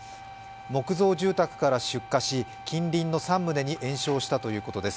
木造住宅から出火し近隣の３棟に延焼したということです。